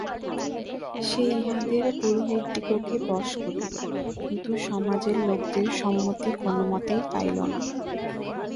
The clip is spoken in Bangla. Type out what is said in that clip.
সে ইহাদের পুরোহিতদিগকে বশ করিল, কিন্তু সমাজের লোকদের সম্মতি কোনোমতেই পাইল না।